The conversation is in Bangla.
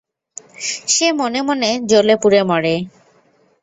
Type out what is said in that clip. সে মনে মনে জ্বলে পুড়ে মরে।